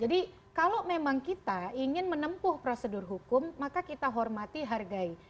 jadi kalau memang kita ingin menempuh prosedur hukum maka kita hormati hargai